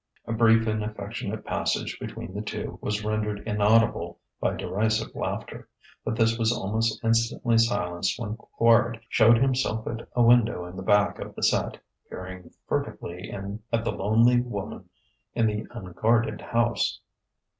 A brief and affectionate passage between the two was rendered inaudible by derisive laughter; but this was almost instantly silenced when Quard showed himself at a window in the back of the set, peering furtively in at the lonely woman in the unguarded house.